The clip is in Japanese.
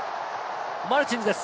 マルチンズです。